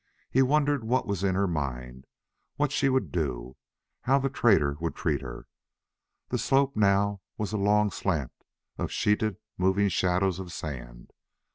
He wondered what was in her mind, what she would do, how the trader would treat her. The slope now was a long slant of sheeted moving shadows of sand.